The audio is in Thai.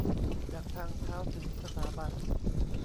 จากทางเท้าถึงสถาบัน